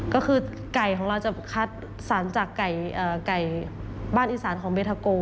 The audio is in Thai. ก็คือไก่ของเราจะคัดสรรจากไก่บ้านอีสานของเบทาโก